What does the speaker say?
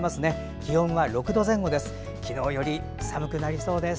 気温は６度前後です。